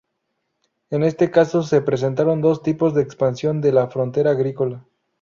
En este caso se presentaron dos tipos de expansión de la frontera agrícola.